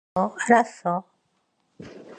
알았어, 알았어.